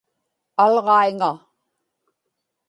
alġaiŋa